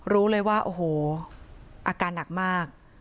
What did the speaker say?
รู้เลยว่าโอ้โหอาการหนักมาก